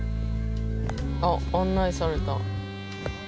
あっ案内された。